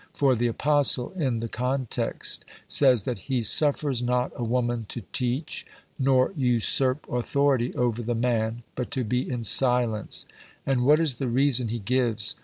For the Apostle, in the context, says, that he suffers not a woman to teach, nor usurp authority over the man, but to be in silence. And what is the reason he gives?